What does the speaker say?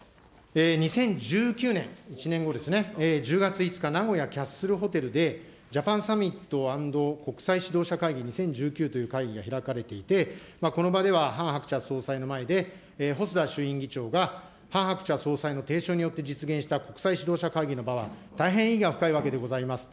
２０１９年、１年後ですね、１０月５日、名古屋キャッスルホテルでジャパンサミット＆国際指導者会議２０１９という会議が開かれていて、この場ではハン・ハクチャ総裁の前で、細田衆院議長がハン・ハクチャ総裁の提唱によって実現した大変意義が深いわけでございます。